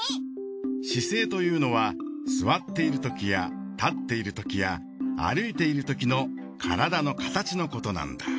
姿勢というのは座っているときや立っているときや歩いているときの体の形のことなんだ。